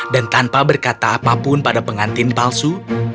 dan tanpa berkata apapun pada pengantin palsu